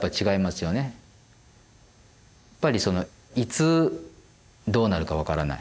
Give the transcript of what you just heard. やっぱりそのいつどうなるか分からない。